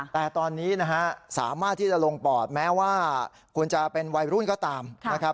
แต่ตอนนี้นะฮะสามารถที่จะลงปอดแม้ว่าคุณจะเป็นวัยรุ่นก็ตามนะครับ